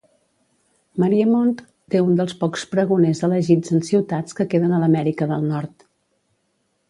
Mariemont té un del pocs pregoners elegits en ciutats que queden a l'Amèrica del Nord.